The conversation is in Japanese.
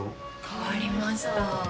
変わりました。